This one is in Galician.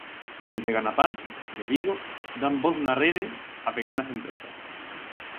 Desde Ganapán, de Vigo, dan voz na Rede a pequenas empresas.